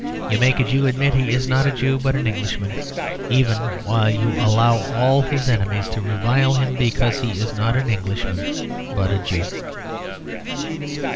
You make a Jew admit he is not a Jew but an Englishman; even while you allow all his enemies to revile him because he is not an Englishman but a Jew.